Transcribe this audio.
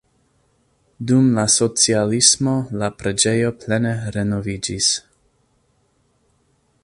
Dum la socialismo la preĝejo plene renoviĝis.